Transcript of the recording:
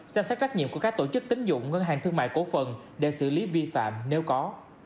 xem xét trách nhiệm của các tổ chức tính dụng ngân hàng thương mại cổ phần để xử lý vi phạm nếu có